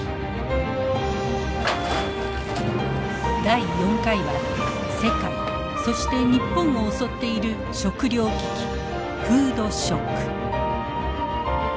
第４回は世界そして日本を襲っている食料危機フードショック。